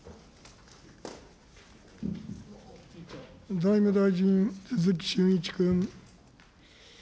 財務大臣、鈴木俊一君。